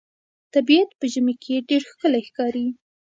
طبیعت په ژمي کې ډېر ښکلی ښکاري.